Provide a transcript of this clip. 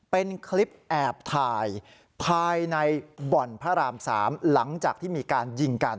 เป็นคลิปแอบถ่ายภายในบ่อนพระราม๓หลังจากที่มีการยิงกัน